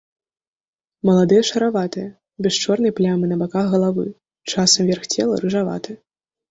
Маладыя шараватыя, без чорнай плямы на баках галавы, часам верх цела рыжаваты.